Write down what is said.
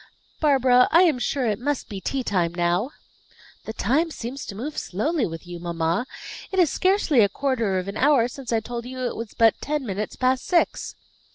"Barbara, I am sure it must be tea time now." "The time seems to move slowly with you, mamma. It is scarcely a quarter of an hour since I told you it was but ten minutes past six."